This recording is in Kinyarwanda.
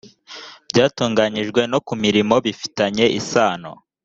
byatunganyijwe no ku mirimo bifitanye isano